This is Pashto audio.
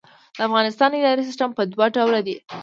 د افغانستان اداري سیسټم په دوه ډوله دی.